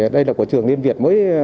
đây là của trường liên việt